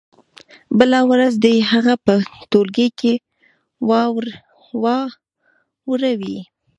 بله ورځ دې يې هغه په ټولګي کې واوروي.